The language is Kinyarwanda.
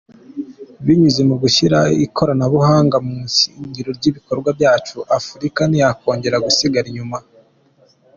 Binyuze mu gushyira ikoranabuhanga mu izingiro ry’ibikorwa byacu, Afurika ntiyakongera gusigara inyuma.